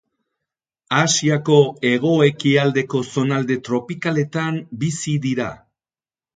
Asiako hego-ekialdeko zonalde tropikaletan bizi dira.